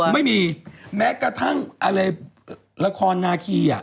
ไม่มีแม้กระทั่งอันเลยเรื่องราคอนาคี